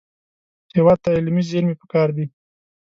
هېواد ته علمي زېرمې پکار دي